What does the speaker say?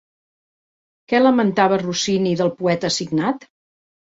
Què lamentava Rossini del poeta assignat?